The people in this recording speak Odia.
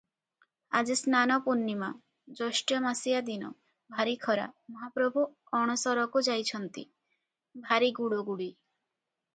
ଆଜି ସ୍ନାନ ପୂର୍ଣ୍ଣୀମା, ଜ୍ୟେଷ୍ଠମାସିଆ ଦିନ, ଭାରୀ ଖରା, ମହାପ୍ରଭୁ ଅଣସରକୁ ଯାଇଛନ୍ତି, ଭାରୀ ଗୁଳୁଗୁଳି ।